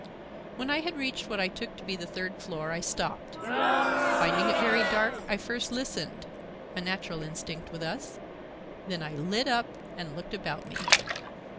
When I had reached what I took to be the third floor I stopped. Finding it very dark, I first listened—a natural instinct with us—then I lit up and looked about me.